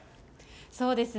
そうですね。